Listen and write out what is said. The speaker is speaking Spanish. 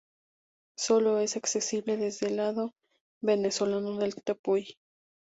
Solo es accesible desde el lado venezolano del Tepuy.